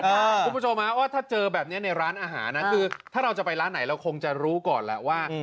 คุณผู้ชมว่าถ้าเจอแบบนี้ในร้านอาหารนะคือถ้าเราจะไปร้านไหนเราคงจะรู้ก่อนแหละว่า